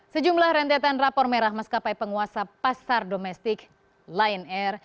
sejumlah rentetan rapor merah maskapai penguasa pasar domestik lion air